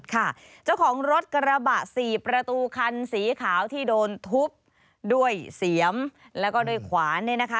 ค่ะเจ้าของรถกระบะสี่ประตูคันสีขาวที่โดนทุบด้วยเสียมแล้วก็ด้วยขวานเนี่ยนะคะ